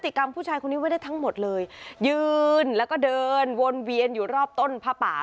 กรรมผู้ชายคนนี้ไว้ได้ทั้งหมดเลยยืนแล้วก็เดินวนเวียนอยู่รอบต้นผ้าป่า